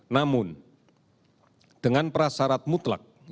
namun dengan persyarat mutlak yaitu aman